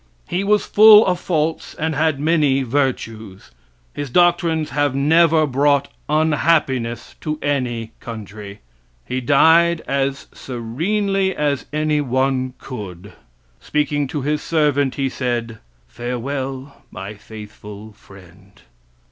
He was full of faults and had many virtues. His doctrines have never brought unhappiness to any country. He died as serenely as anyone could. Speaking to his servant, he said, "Farewell my faithful friend."